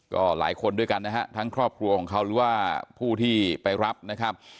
ก็หลายคนด้วยกันนะฮะทั้งครอบครัวของเขาหรือว่าผู้ที่ไปรับนะครับ